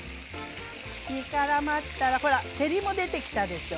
煮からまったらほら照りも出てきたでしょ？